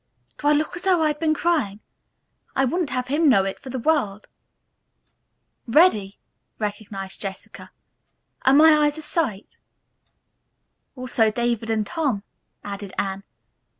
"Do I look as though I'd been crying? I wouldn't have him know it for the world." "Reddy!" recognized Jessica. "Are my eyes a sight?" "Also David and Tom," added Anne.